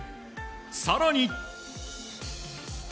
更に。